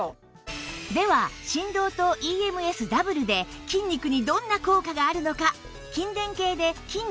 では振動と ＥＭＳ ダブルで筋肉にどんな効果があるのか？